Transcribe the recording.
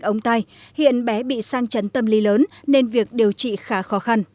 bệnh hiện bé bị sang trấn tâm lý lớn nên việc điều trị khá khó khăn